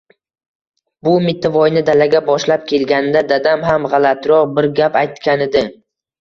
– Bu Mittivoyni dalaga boshlab kelganida, dadam ham g‘alatiroq bir gap aytganidi…